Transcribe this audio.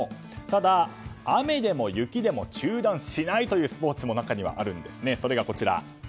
ただ、雨でも雪でも中断しないというスポーツも中にはあるんですね。